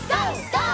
ＧＯ！